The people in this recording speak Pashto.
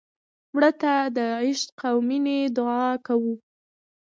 مړه ته د عشق او مینې دعا کوو